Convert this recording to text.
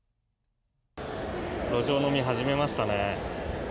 路上飲み、始めましたね。